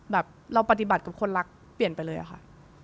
แบบเราปฏิบัติกับคนรักเปลี่ยนไปเลยอะค่ะ